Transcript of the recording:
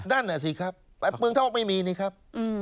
นั่นแหละสิครับแบบเมืองเทาะไม่มีนี่ครับ